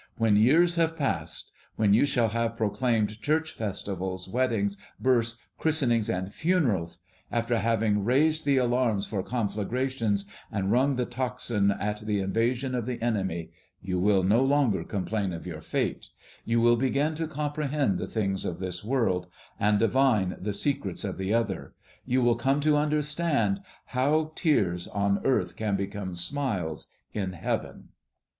When years have passed; when you shall have proclaimed church festivals, weddings, births, christenings, and funerals; after having raised the alarms for conflagrations, and rung the tocsin at the invasion of the enemy, you will no longer complain of your fate; you will begin to comprehend the things of this world, and divine the secrets of the other; you will come to understand how tears on earth can become smiles in heaven.